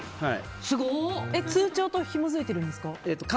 通帳とひもづいてるんですか。